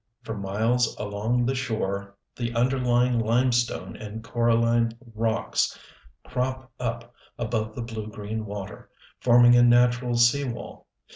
For miles along the shore the underlying limestone and coraline rocks crop up above the blue green water, forming a natural sea wall.